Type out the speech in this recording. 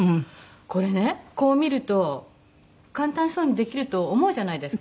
これねこう見ると簡単そうにできると思うじゃないですか。